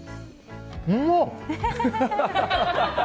うまっ！